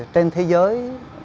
trên thế giới